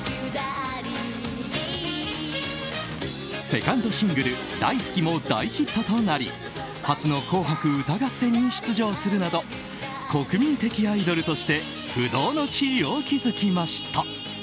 セカンドシングル「大スキ！」も大ヒットとなり初の「紅白歌合戦」に出場するなど国民的アイドルとして不動の地位を築きました。